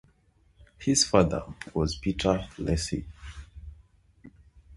His father was Peter Lacy.